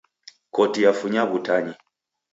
Koti yafunya w'utanyi.